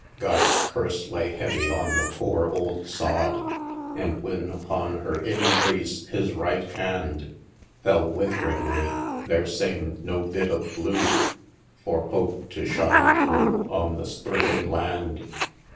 God's curse lay heavy on the poor ould sod, An' whin upon her increase His right hand Fell with'ringly, there samed no bit of blue For Hope to shine through on the sthricken land.